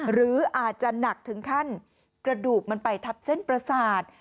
หรืออาจจะหนักถึงขั้นกระดูกมันไปทับเส้นประสาท